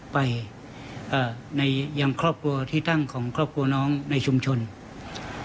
ไปเอ่อในยังครอบครัวที่ตั้งของครอบครัวน้องในชุมชน